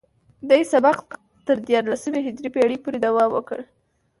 دې سبک تر دیارلسمې هجري پیړۍ پورې دوام وکړ